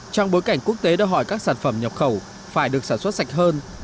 trong bối cảnh quốc tế đã hỏi các sản phẩm nhập khẩu phải được sản xuất sạch hơn